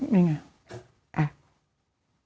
นี่ไง